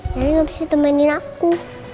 jadi gak bisa temenin aku